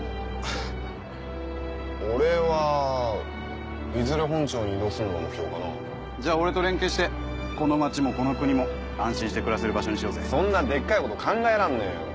俺はいずれ本庁に異動するのが目標じゃあ俺と連係してこの街もこの国も安心して暮らせる場所にしようぜそんなデッカいこと考えらんねえよ